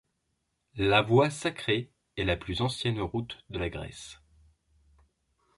La voie sacrée est la plus ancienne route de la Grèce.